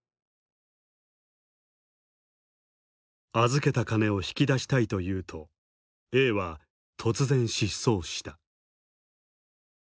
預けた金を引き出したいと言うとＡは突然失踪した。